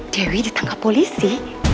dewi ditangkap polisi